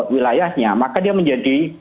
wilayahnya maka dia menjadi